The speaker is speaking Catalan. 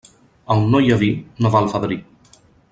A on no hi ha vi, no va el fadrí.